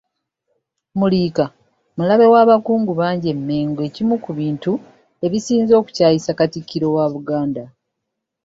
Muliika mulabe w’abakungu bangi e Mengo ekimu ku bintu ebisinze okukyayisa Katikkiro wa Buganda